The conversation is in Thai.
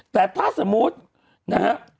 แต่ถ้าสมมุตินะครับ